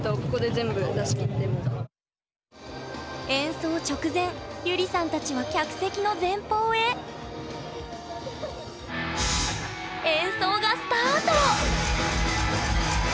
演奏直前ゆりさんたちは客席の前方へ演奏がスタート！